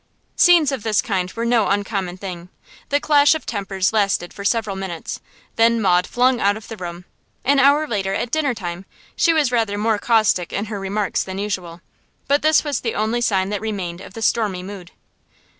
Scenes of this kind were no uncommon thing. The clash of tempers lasted for several minutes, then Maud flung out of the room. An hour later, at dinner time, she was rather more caustic in her remarks than usual, but this was the only sign that remained of the stormy mood.